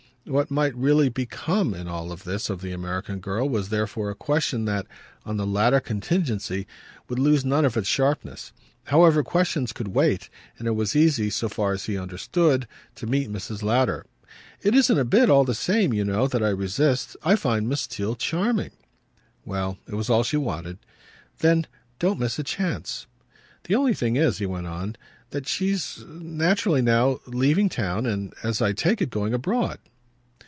What might really BECOME in all this of the American girl was therefore a question that, on the latter contingency, would lose none of its sharpness. However, questions could wait, and it was easy, so far as he understood, to meet Mrs. Lowder. "It isn't a bit, all the same, you know, that I resist. I find Miss Theale charming." Well, it was all she wanted. "Then don't miss a chance." "The only thing is," he went on, "that she's naturally now leaving town and, as I take it, going abroad."